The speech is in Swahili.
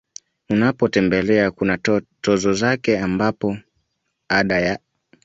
unapotembelea kuna tozo zake ambapo Ada ya